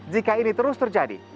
jika ini terus terjadi